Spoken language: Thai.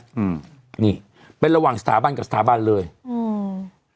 อืมนี่เป็นระหว่างสถาบันกับสถาบันเลยอืม